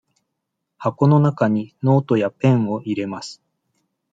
箱の中にノートやペンを入れます。